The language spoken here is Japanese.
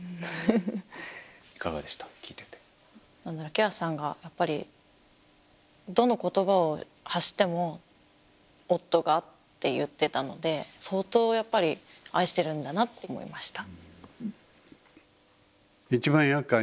キュアさんがやっぱりどの言葉を発しても「夫が」って言ってたので相当やっぱり愛してるんだなって思いました。